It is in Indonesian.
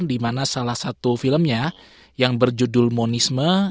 dimana salah satu filmnya yang berjudul monisme